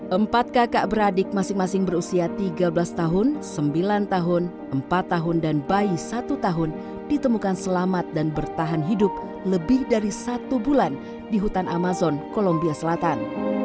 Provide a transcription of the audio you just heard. empat kakak beradik masing masing berusia tiga belas tahun sembilan tahun empat tahun dan bayi satu tahun ditemukan selamat dan bertahan hidup lebih dari satu bulan di hutan amazon kolombia selatan